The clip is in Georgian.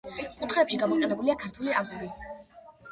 კუთხეებში გამოყენებულია ქართული აგური.